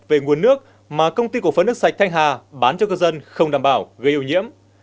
về nguồn nước mà công ty cổ phấn nước sạch thanh hà bán cho cư dân không đảm bảo gây ô nhiễm